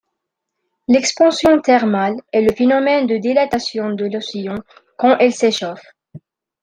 L'expansion thermale est le phénomène de dilatation de l'océan quand il s'échauffe.